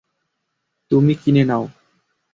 তুমি কিনে নাও।